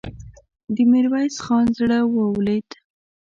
د ميرويس خان زړه ولوېد.